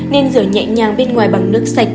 nên rửa nhẹ nhàng bên ngoài bằng nước sạch